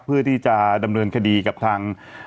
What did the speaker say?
เพื่อที่จะดำเนินคดีกับทาง